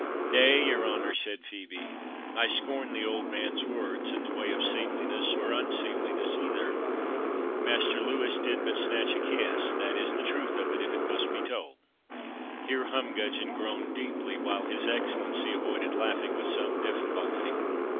"Nay, your honour," said Phœbe, "I scorn the old man's words, in the way of seemliness or unseemliness either. Master Louis did but snatch a kiss, that is the truth of it, if it must be told." Here Humgudgeon groaned deeply, while his Excellency avoided laughing with some difficulty.